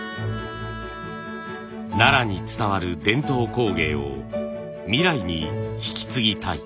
奈良に伝わる伝統工芸を未来に引き継ぎたい。